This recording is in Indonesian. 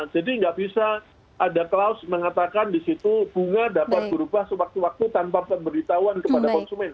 jadi nggak bisa ada klaus mengatakan di situ bunga dapat berubah sewaktu waktu tanpa pemberitahuan kepada konsumen